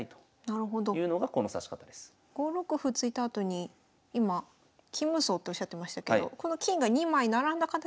５六歩突いたあとに今金無双っておっしゃってましたけどそうです。